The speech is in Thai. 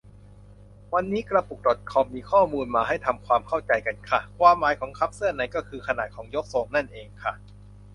วันนี้กระปุกดอทคอมมีข้อมูลมาให้ทำความเข้าใจกันค่ะ ความหมายของ คัพเสื้อใน ก็คือขนาดของยกทรงนั่นเองค่ะ